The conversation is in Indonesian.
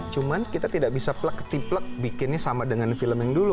cuman kita tidak bisa plek keti plek bikinnya sama dengan film yang dulu